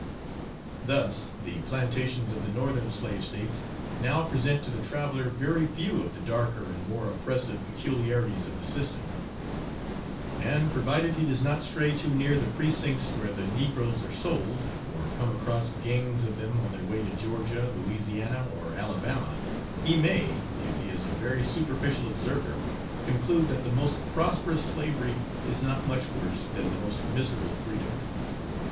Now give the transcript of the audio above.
Thus, the plantations of the Northern slave States now present to the traveller very few of the darker and more oppressive peculiarities of the system; and, provided he does not stray too near the precincts where the negroes are sold, or come across gangs of them on their way to Georgia, Louisiana, or Alabama, he may, if he is a very superficial observer, conclude that the most prosperous slavery is not much worse than the most miserable freedom.